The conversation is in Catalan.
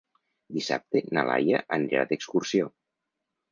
Dissabte na Laia anirà d'excursió.